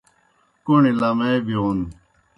کوْݨیْ لمے بِیون